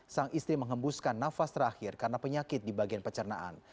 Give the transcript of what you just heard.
sang istri menghembuskan nafas terakhir karena penyakit di bagian pecernaan